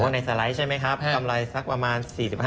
ในสไลด์ใช่ไหมครับกำไรสักประมาณ๔๕